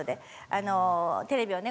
あのテレビをね